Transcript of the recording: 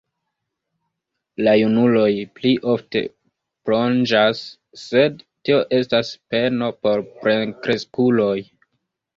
La junuloj pli ofte plonĝas, sed tio estas peno por plenkreskuloj.